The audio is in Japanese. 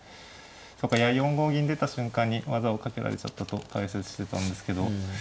そうかいや４五銀出た瞬間に技をかけられちゃったと解説してたんですけど。